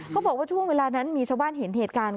เขาบอกว่าช่วงเวลานั้นมีชาวบ้านเห็นเหตุการณ์